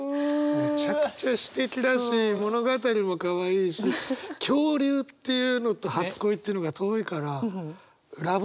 めちゃくちゃすてきだし物語もかわいいし「恐竜」っていうのと「初恋」っていうのが遠いからＬＯＶＥ